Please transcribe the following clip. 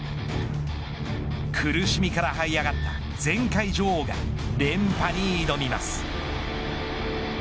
苦しみから這い上がった前回女王が連覇に挑みます。